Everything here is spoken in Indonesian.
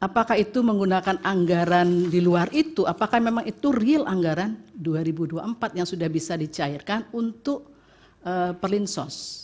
apakah itu menggunakan anggaran di luar itu apakah memang itu real anggaran dua ribu dua puluh empat yang sudah bisa dicairkan untuk perlinsos